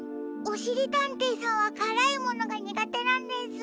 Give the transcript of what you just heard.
おしりたんていさんはからいものがにがてなんです。